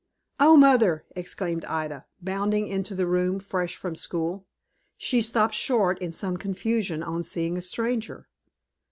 "OH, mother," exclaimed Ida, bounding into the room, fresh from school. She stopped short, in some confusion, on seeing a stranger.